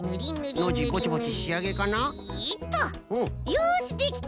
よしできた！